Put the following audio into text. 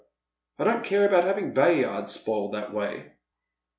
I don't care about having Bayard spoiled tli«t way."